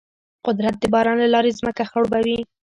قدرت د باران له لارې ځمکه خړوبوي.